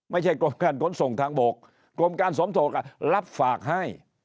กรมการขนส่งทางบกกรมการสมโทกรับฝากให้